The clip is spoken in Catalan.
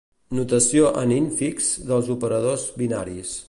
Notació en infix dels operadors binaris.